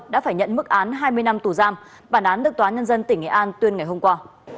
đã phải nhận mức án hai mươi năm tù giam bản án được tòa nhân dân tỉnh nghệ an tuyên ngày hôm qua